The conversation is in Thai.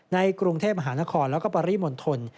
ในกรุงเทพฯมหานครและก็ปริมนธน